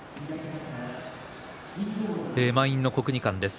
満員の国技館です。